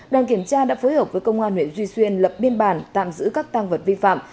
đoàn kiểm tra đã phối hợp với công an huyện duy xuyên lập biên bản tạm giữ các tăng vật vi phạm